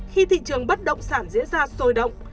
khi thị trường bất động sản diễn ra sôi động